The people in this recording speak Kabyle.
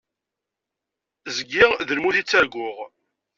Zgiɣ d lmut i ttarguɣ.